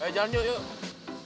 jalan yuk yuk